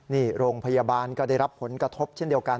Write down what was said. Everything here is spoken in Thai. นี่โรงพยาบาลก็ได้รับผลกระทบเช่นเดียวกัน